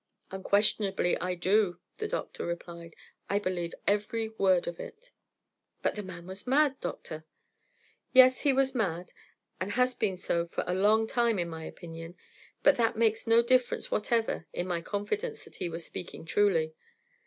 "Unquestionably I do," the doctor replied. "I believe every word of it." "But the man was mad, doctor." "Yes, he was mad and has been so for a long time in my opinion, but that makes no difference whatever in my confidence that he was speaking truly.